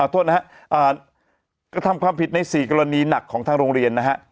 โทษนะครับก็ทำความผิดใน๔กรณีหนักของทางโรงเรียน